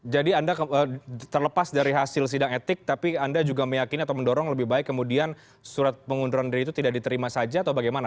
jadi anda terlepas dari hasil sidang etik tapi anda juga meyakini atau mendorong lebih baik kemudian surat pengunduran diri itu tidak diterima saja atau bagaimana